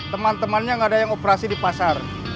teman temannya nggak ada yang operasi di pasar